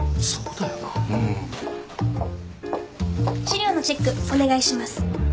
資料のチェックお願いします。